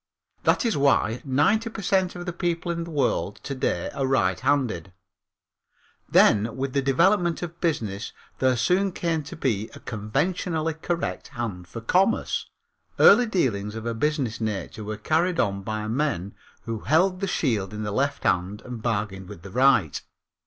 That is why ninety per cent of the people in the world to day are righthanded. Then with the development of business there soon came to be a conventionally correct hand for commerce. Early dealings of a business nature were carried on by men who held the shield in the left hand and bargained with the right.